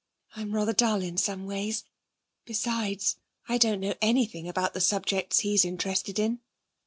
I'm rather dull in some ways. Besides, I don't know anything about the subjects he's interested in.'